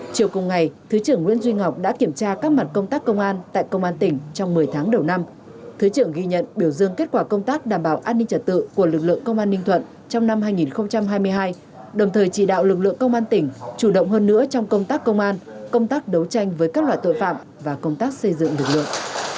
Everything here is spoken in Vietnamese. chiều cùng ngày thứ trưởng nguyễn duy ngọc đã kiểm tra các mặt công tác công an tại công an tỉnh trong một mươi tháng đầu năm thứ trưởng ghi nhận biểu dương kết quả công tác đảm bảo an ninh trật tự của lực lượng công an ninh thuận trong năm hai nghìn hai mươi hai đồng thời chỉ đạo lực lượng công an tỉnh chủ động hơn nữa trong công tác công an công tác đấu tranh với các loại tội phạm và công tác xây dựng lực lượng